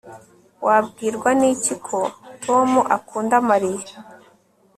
Wabwirwa niki ko Tom akunda Mariya